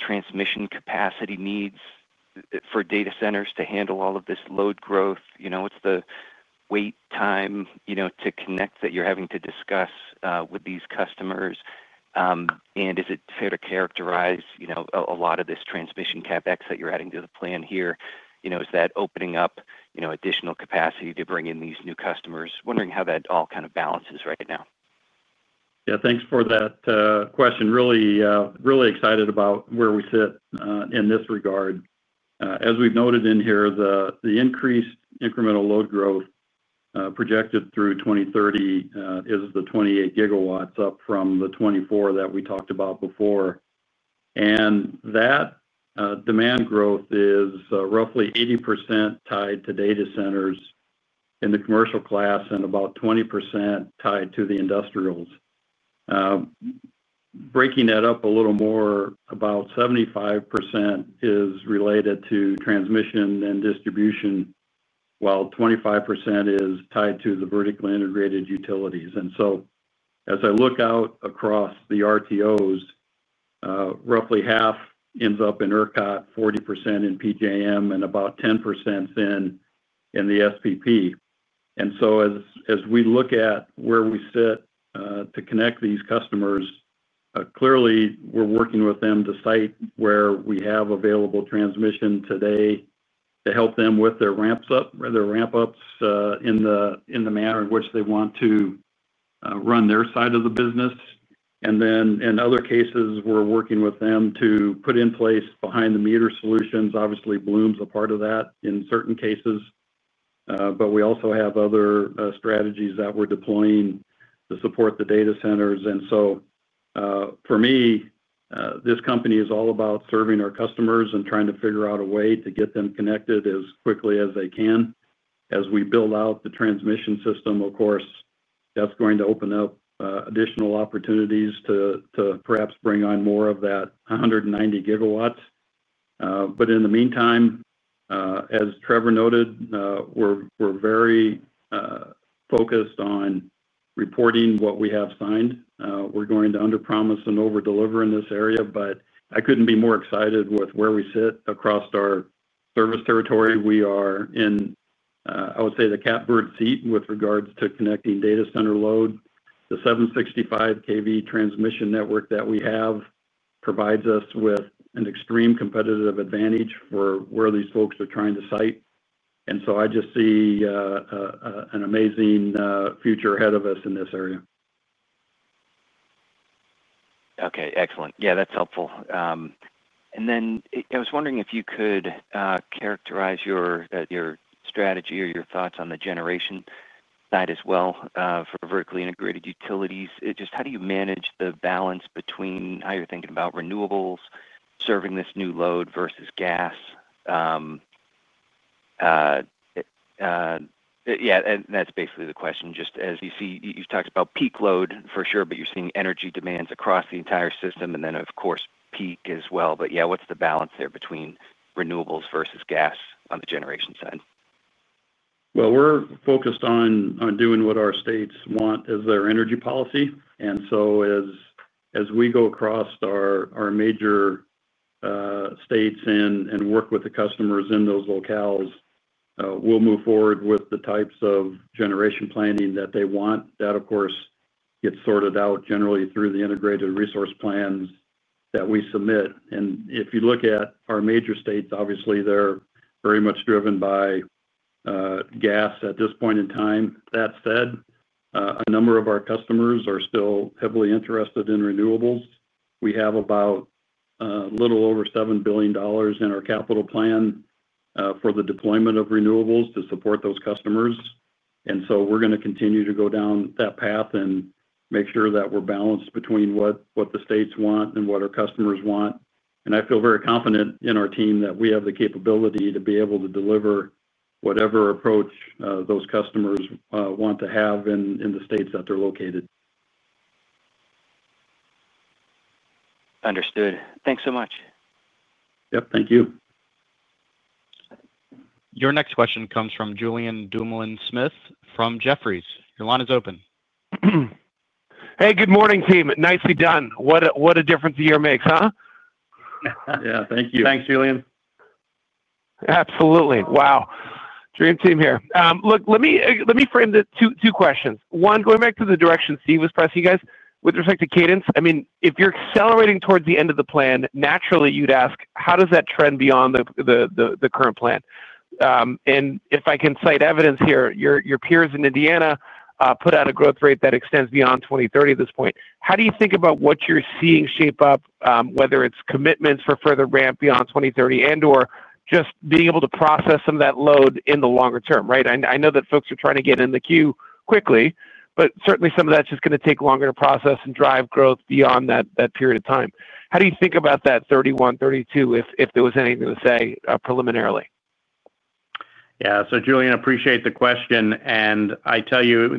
transmission capacity needs for data centers to handle all of this load growth? What's the wait time to connect that you're having to discuss with these customers? Is it fair to characterize a lot of this transmission CapEx that you're adding to the plan here? Is that opening up additional capacity to bring in these new customers? Wondering how that all kind of balances right now. Yeah, thanks for that question. Really, really excited about where we sit in this regard. As we've noted in here, the increased incremental load growth projected through 2030 is the 28 GW, up from the 24 that we talked about before. That demand growth is roughly 80% tied to data centers in the commercial class and about 20% tied to the industrials. Breaking that up a little more, about 75% is related to transmission and distribution, while 25% is tied to the vertically integrated utilities. As I look out across the RTOs, roughly half ends up in ERCOT, 40% in PJM, and about 10% in the SPP. As we look at where we sit to connect these customers, clearly we're working with them to site where we have available transmission today to help them with their ramp-ups in the manner in which they want to run their side of the business. In other cases, we're working with them to put in place behind-the-meter solutions. Obviously, Bloom's a part of that in certain cases, but we also have other strategies that we're deploying to support the data centers. For me, this company is all about serving our customers and trying to figure out a way to get them connected as quickly as they can. As we build out the transmission system, of course, that's going to open up additional opportunities to perhaps bring on more of that 190 GW. In the meantime, as Trevor noted, we're very focused on reporting what we have signed. We're going to under promise and over deliver in this area, but I couldn't be more excited with where we sit across our service territory. We are in, I would say, the catbird seat with regards to connecting data center load. The 765 kV transmission network that we have provides us with an extreme competitive advantage for where these folks are trying to site. I just see an amazing future ahead of us in this area. Okay, excellent. Yeah, that's helpful. I was wondering if you could characterize your strategy or your thoughts on the generation side as well for vertically integrated utilities. Just how do you manage the balance between how you're thinking about renewables serving this new load versus gas? That's basically the question. As you see, you've talked about peak load for sure, but you're seeing energy demands across the entire system and, of course, peak as well. Yeah, what's the balance there between renewables versus gas on the generation side? We're focused on doing what our states want as their energy policy. As we go across our major states and work with the customers in those locales, we'll move forward with the types of generation planning that they want. That, of course, gets sorted out generally through the integrated resource plans that we submit. If you look at our major states, obviously, they're very much driven by gas at this point in time. That said, a number of our customers are still heavily interested in renewables. We have a little over $7 billion in our capital plan for the deployment of renewables to support those customers. We're going to continue to go down that path and make sure that we're balanced between what the states want and what our customers want. I feel very confident in our team that we have the capability to be able to deliver whatever approach those customers want to have in the states that they're located. Understood. Thanks so much. Yep, thank you. Your next question comes from Julien Dumoulin-Smith from Jefferies. Your line is open. Hey, good morning, team. Nicely done. What a difference the year makes, huh? Thank you. Thanks, Julian. Absolutely. Wow. Dream team here. Look, let me frame the two questions. One, going back to the direction Steve was pressing you guys with respect to cadence. I mean, if you're accelerating towards the end of the plan, naturally you'd ask, how does that trend beyond the current plan? If I can cite evidence here, your peers in Indiana put out a growth rate that extends beyond 2030 at this point. How do you think about what you're seeing shape up, whether it's commitments for further ramp beyond 2030 and/or just being able to process some of that load in the longer term, right? I know that folks are trying to get in the queue quickly, but certainly some of that's just going to take longer to process and drive growth beyond that period of time. How do you think about that 2031, 2032 if there was anything to say preliminarily? Yeah, so Julian, I appreciate the question.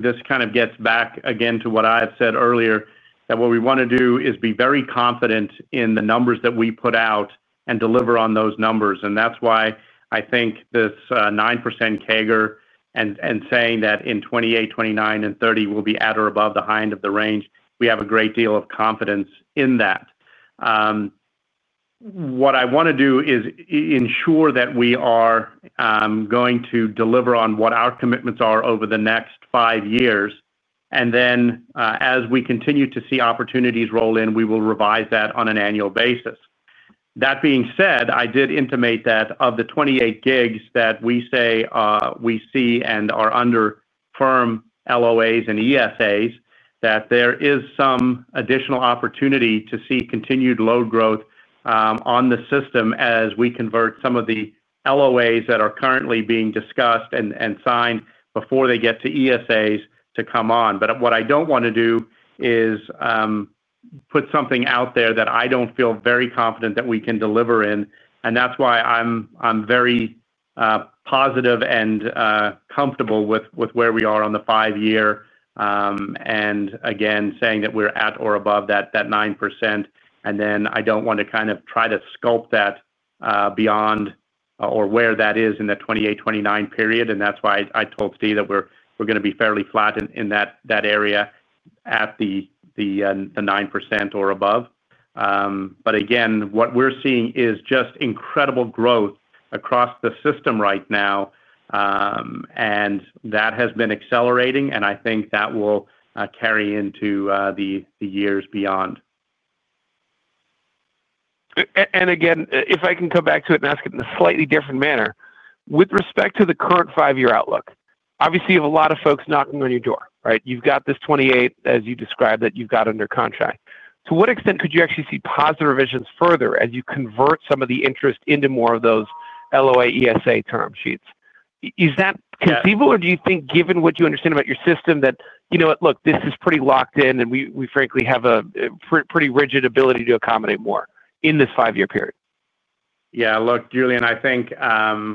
This kind of gets back again to what I had said earlier, that what we want to do is be very confident in the numbers that we put out and deliver on those numbers. That's why I think this 9% CAGR and saying that in 2028, 2029, and 2030 we'll be at or above the high end of the range, we have a great deal of confidence in that. What I want to do is ensure that we are going to deliver on what our commitments are over the next five years. As we continue to see opportunities roll in, we will revise that on an annual basis. That being said, I did intimate that of the 28 GW that we say we see and are under firm LOAs and ESAs, there is some additional opportunity to see continued load growth on the system as we convert some of the LOAs that are currently being discussed and signed before they get to ESAs to come on. What I don't want to do is put something out there that I don't feel very confident that we can deliver in. That's why I'm very positive and comfortable with where we are on the five-year and again saying that we're at or above that 9%. I don't want to try to sculpt that beyond or where that is in the 2028, 2029 period. That's why I told Steve that we're going to be fairly flat in that area at the 9% or above. What we're seeing is just incredible growth across the system right now, and that has been accelerating. I think that will carry into the years beyond. If I can come back to it and ask it in a slightly different manner, with respect to the current five-year outlook, obviously you have a lot of folks knocking on your door, right? You've got this 28, as you described, that you've got under contract. To what extent could you actually see positive revisions further as you convert some of the interest into more of those LOA ESA term sheets? Is that conceivable, or do you think, given what you understand about your system, that you know what, look, this is pretty locked in and we frankly have a pretty rigid ability to accommodate more in this five-year period? Yeah, look, Julien, I think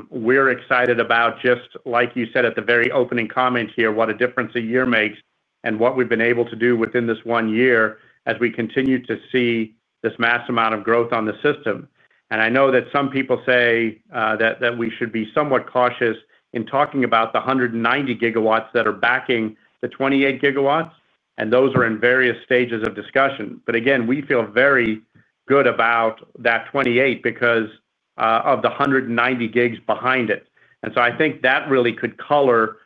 we're excited about, just like you said at the very opening comment here, what a difference a year makes and what we've been able to do within this one year as we continue to see this mass amount of growth on the system. I know that some people say that we should be somewhat cautious in talking about the 190 GW that are backing the 28 GW, and those are in various stages of discussion. Again, we feel very good about that 28 because of the 190 GW behind it. I think that really could color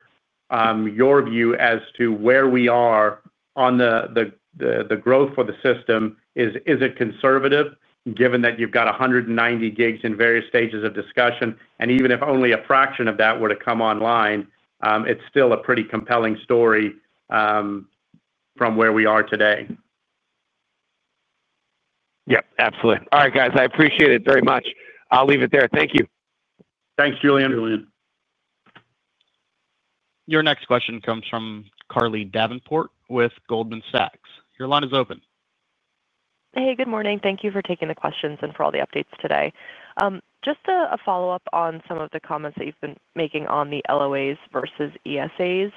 your view as to where we are on the growth for the system. Is it conservative, given that you've got 190 GW in various stages of discussion? Even if only a fraction of that were to come online, it's still a pretty compelling story from where we are today. Yep, absolutely. All right, guys, I appreciate it very much. I'll leave it there. Thank you. Thanks, Julian. Julian. Your next question comes from Carly Davenport with Goldman Sachs. Your line is open. Hey, good morning. Thank you for taking the questions and for all the updates today. Just a follow-up on some of the comments that you've been making on the LOAs versus ESAs.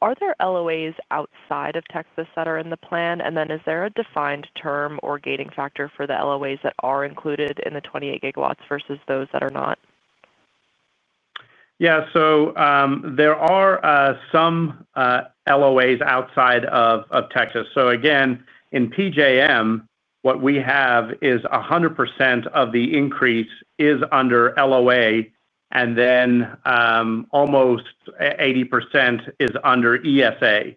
Are there LOAs outside of Texas that are in the plan, and then is there a defined term or gating factor for the LOAs that are included in the 28 GW versus those that are not? Yeah, there are some LOAs outside of Texas. In PJM, what we have is 100% of the increase is under LOA, and then almost 80% is under ESA.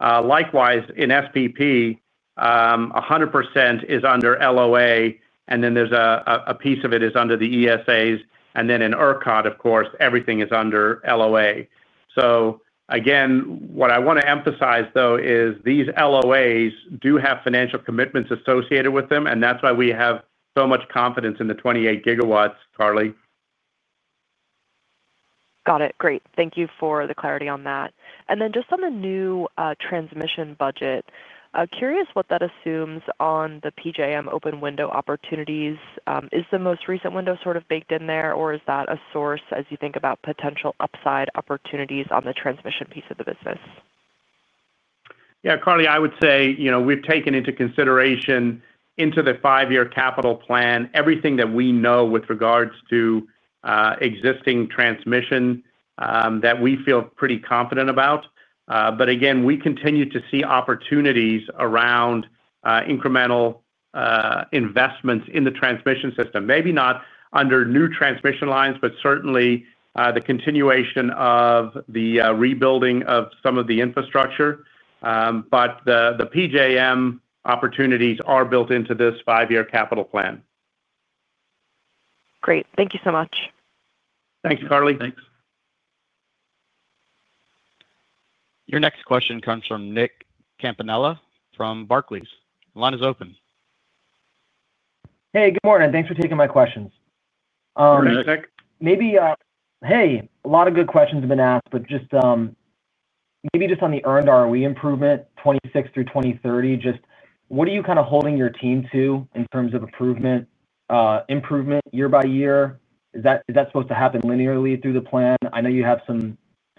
Likewise, in SPP, 100% is under LOA, and then a piece of it is under the ESAs. In ERCOT, of course, everything is under LOA. What I want to emphasize though is these LOAs do have financial commitments associated with them, and that's why we have so much confidence in the 28 GW, Carly. Got it. Great. Thank you for the clarity on that. Just on the new transmission budget, curious what that assumes on the PJM open window opportunities. Is the most recent window sort of baked in there, or is that a source as you think about potential upside opportunities on the transmission piece of the business? Yeah, Carly, I would say we've taken into consideration into the five-year capital plan everything that we know with regards to existing transmission that we feel pretty confident about. Again, we continue to see opportunities around incremental investments in the transmission system, maybe not under new transmission lines, but certainly the continuation of the rebuilding of some of the infrastructure. The PJM opportunities are built into this five-year capital plan. Great. Thank you so much. Thanks, Carly. Thanks. Your next question comes from Nick Campanella from Barclays. The line is open. Hey, good morning. Thanks for taking my questions. Sure, Nick. A lot of good questions have been asked, but just on the earned ROE improvement 2026 through 2030. What are you kind of holding your team to in terms of improvement year by year? Is that supposed to happen linearly through the plan? I know you have some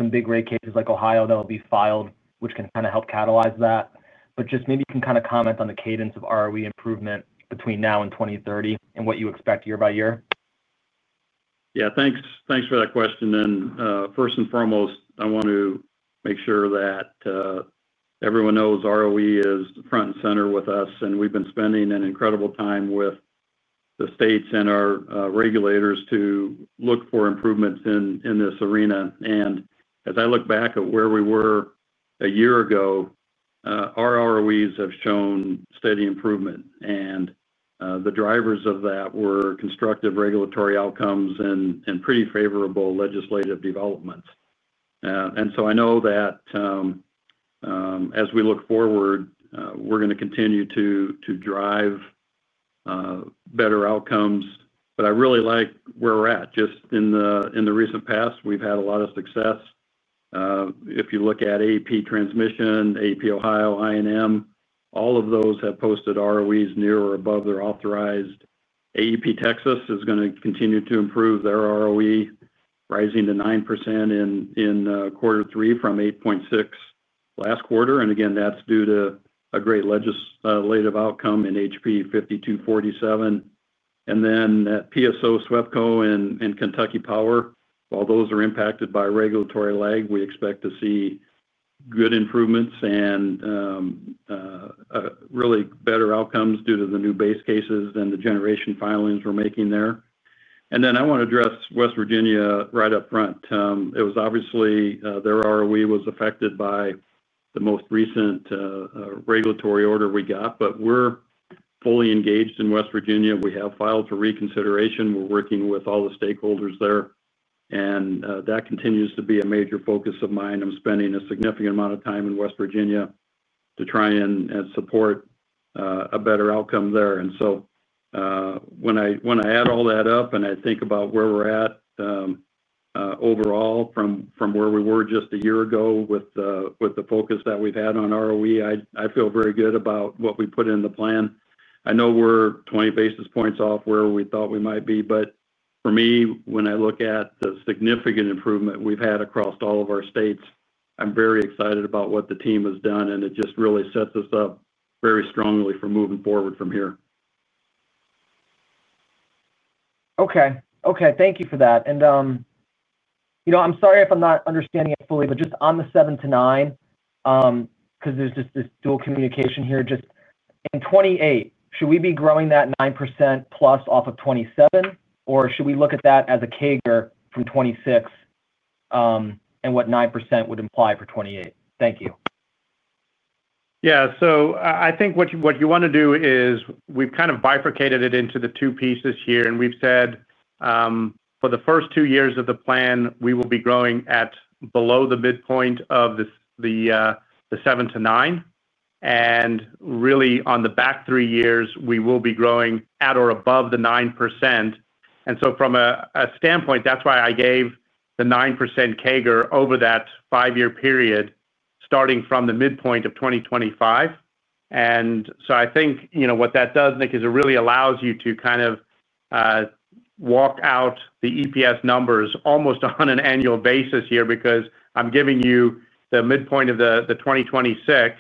big rate cases like Ohio that will be filed, which can kind of help catalyze that. Maybe you can comment on the cadence of ROE improvement between now and 2030 and what you expect year by year. Yeah, thanks for that question. First and foremost, I want to make sure that everyone knows ROE is front and center with us, and we've been spending an incredible time with the states and our regulators to look for improvements in this arena. As I look back at where we were a year ago, our ROEs have shown steady improvement, and the drivers of that were constructive regulatory outcomes and pretty favorable legislative developments. I know that as we look forward, we're going to continue to drive better outcomes. I really like where we're at. Just in the recent past, we've had a lot of success. If you look at AEP Transmission, AEP Ohio, INM, all of those have posted ROEs near or above their authorized. AEP Texas is going to continue to improve their ROE, rising to 9% in quarter three from 8.6% last quarter. That's due to a great legislative outcome in HB 5247. At PSO, SWEPCO, and Kentucky Power, while those are impacted by regulatory lag, we expect to see good improvements and really better outcomes due to the new base cases and the generation filings we're making there. I want to address West Virginia right up front. Obviously, their ROE was affected by the most recent regulatory order we got, but we're fully engaged in West Virginia. We have filed for reconsideration. We're working with all the stakeholders there, and that continues to be a major focus of mine. I'm spending a significant amount of time in West Virginia to try and support a better outcome there. When I add all that up and I think about where we're at overall from where we were just a year ago with the focus that we've had on ROE, I feel very good about what we put in the plan. I know we're 20 basis points off where we thought we might be, but for me, when I look at the significant improvement we've had across all of our states, I'm very excited about what the team has done, and it just really sets us up very strongly for moving forward from here. Okay, thank you for that. I'm sorry if I'm not understanding it fully, but just on the seven to nine, because there's just this dual communication here, just in 2028, should we be growing that 9% plus off of 2027, or should we look at that as a CAGR from 2026 and what 9% would imply for 2028? Thank you. Yeah, so I think what you want to do is we've kind of bifurcated it into the two pieces here, and we've said for the first two years of the plan, we will be growing at below the midpoint of the 7-9%. Really, on the back three years, we will be growing at or above the 9%. From a standpoint, that's why I gave the 9% CAGR over that five-year period, starting from the midpoint of 2025. I think what that does, Nick, is it really allows you to kind of walk out the EPS numbers almost on an annual basis here because I'm giving you the midpoint of the 2026,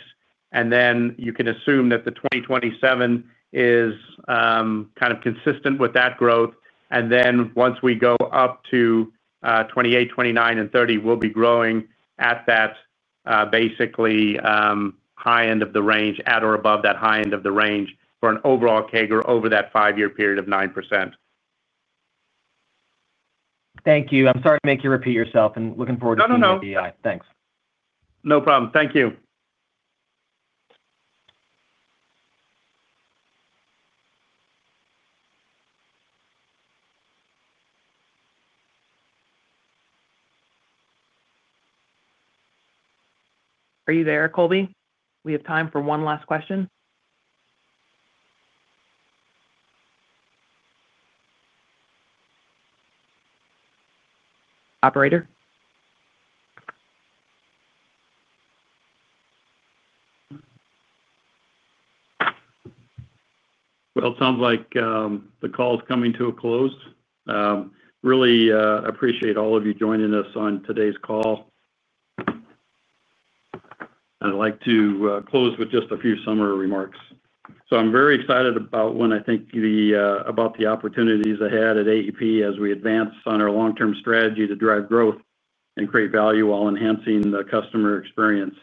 and then you can assume that the 2027 is kind of consistent with that growth. Once we go up to 2028, 2029, and 2030, we'll be growing at that basically high end of the range, at or above that high end of the range for an overall CAGR over that five-year period of 9%. Thank you. I'm sorry to make you repeat yourself, and looking forward to seeing EEI. No, no, no. Thanks. No problem. Thank you. Are you there, Colby? We have time for one last question. Operator? It sounds like the call is coming to a close. I really appreciate all of you joining us on today's call. I'd like to close with just a few summary remarks. I'm very excited about when I think about the opportunities ahead at American Electric Power as we advance on our long-term strategy to drive growth and create value while enhancing the customer experience.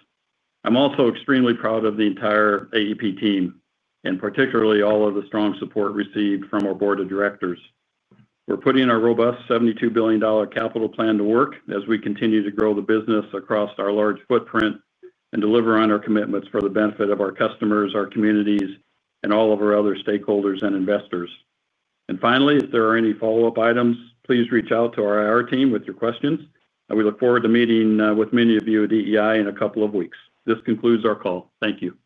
I'm also extremely proud of the entire American Electric Power team and particularly all of the strong support received from our Board of Directors. We're putting our robust $72 billion capital plan to work as we continue to grow the business across our large footprint and deliver on our commitments for the benefit of our customers, our communities, and all of our other stakeholders and investors. Finally, if there are any follow-up items, please reach out to our IR team with your questions. We look forward to meeting with many of you at EEI in a couple of weeks. This concludes our call. Thank you.